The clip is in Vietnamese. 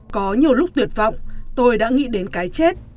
có nhiều lúc tuyệt vọng tôi đã nghĩ đến cái chết